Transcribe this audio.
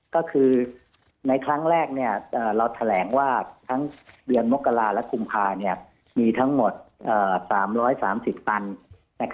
ก็คือในครั้งแรกเราแถลงว่าทั้งเดือนมกราและกุมภามีทั้งหมด๓๓๐ตัน